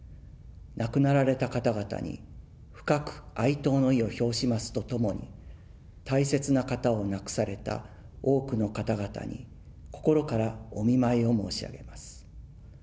亡くなられた方々に深く哀悼の意を表しますとともに、大切な方を亡くされた多くの方々に、心からお見舞いを申し上げます。